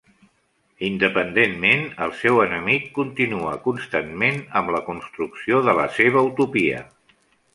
Independentment, el seu enemic continua constantment amb la construcció de la seva utopia.